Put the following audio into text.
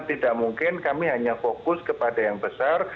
tidak mungkin kami hanya fokus kepada yang besar